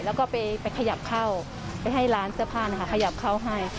แล้วก็ไปขยับเข้าไปให้ร้านเสื้อผ้าขยับเข้าให้